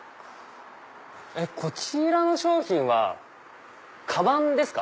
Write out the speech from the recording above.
こちらの商品はカバンですか？